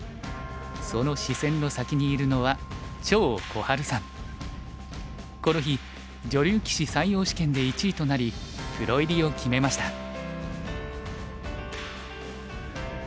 その視線の先にいるのはこの日女流棋士採用試験で１位となりプロ入りを決めました。